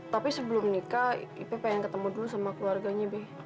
tapi sebelum nikah ipi pengen ketemu dulu sama keluarganya be